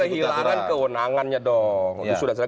kehilangan kewenangannya dong